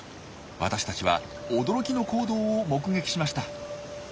私たちは驚きの行動を目撃しました。